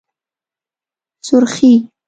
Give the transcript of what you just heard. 💄سورخي